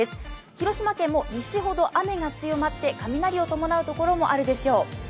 広島県も西ほど雨が強まって雷を伴うところもあるでしょう。